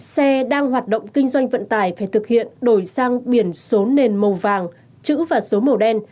xe đang hoạt động kinh doanh vận tải phải thực hiện đổi sang biển số nền màu vàng chữ và số màu đen